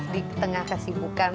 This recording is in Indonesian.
di tengah kesibukan